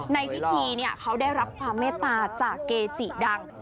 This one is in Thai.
ในพิธีเขาได้รับความเมตตาจากเกจิดัง